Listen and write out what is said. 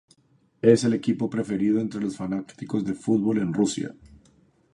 Es el equipo preferido entre los fanáticos de fútbol en Rusia.